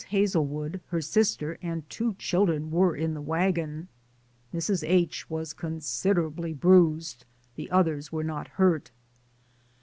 Hazelwood, her sister, and two children were in the wagon; Mrs. H. was considerably bruised, the others were not hurt.